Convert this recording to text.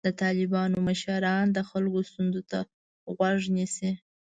د طالبانو مشران د خلکو ستونزو ته غوږ نیسي.